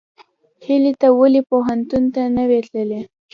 هیلۍ ته ولې پوهنتون ته نه وې تللې؟